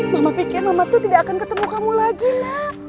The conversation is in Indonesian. mama pikir mama tuh tidak akan ketemu kamu lagi nak